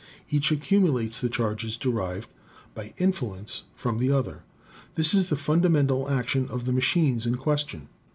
Each accumulates the charges derived by in fluence from the other. This is the fundamental action of the machines in question.